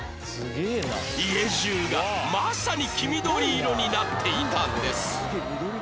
家中がまさに黄緑色になっていたんです